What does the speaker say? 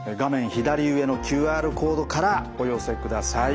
左上のＱＲコードからお寄せください。